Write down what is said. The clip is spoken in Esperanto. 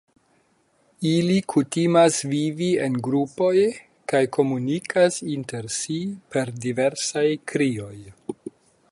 Ili kutimas vivi en grupoj kaj komunikas inter si per diversaj krioj.